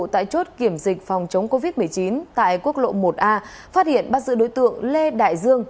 tại chốt kiểm dịch phòng chống covid một mươi chín tại quốc lộ một a phát hiện bắt giữ đối tượng lê đại dương